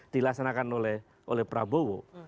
dilaksanakan oleh prabowo